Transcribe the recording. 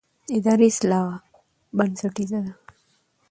اداري اصلاح بنسټیزه ده